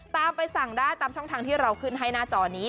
ไปสั่งได้ตามช่องทางที่เราขึ้นให้หน้าจอนี้